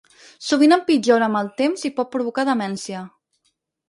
Sovint empitjora amb el temps i pot provocar demència.